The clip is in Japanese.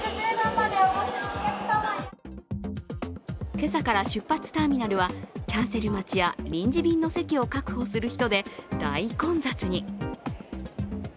今朝から出発ターミナルはキャンセル待ちや、臨時便の席を確保する人で大混雑に。